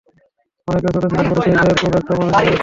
অনেক ছোট ছিলেন বলে সেই জয়ের স্মৃতি খুব একটা মনে নেই সাকিবের।